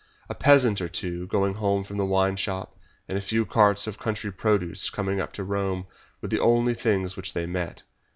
A peasant or two going home from the wine shop, and a few carts of country produce coming up to Rome, were the only things which they met.